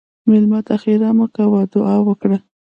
مېلمه ته ښیرا مه کوه، دعا وکړه.